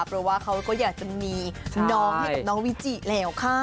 เพราะว่าเขาก็อยากจะมีน้องให้กับน้องวิจิแล้วค่ะ